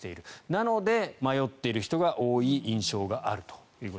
なので迷っている人が多い印象だと。